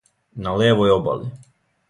На левој обали.